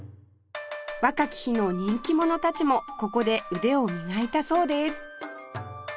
若き日の人気者たちもここで腕を磨いたそうです